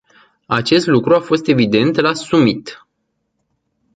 Acest lucru a fost evident la summit.